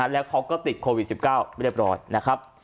แล้วเขาก็ติดโควิด๑๙เรียบร้อยนะครับ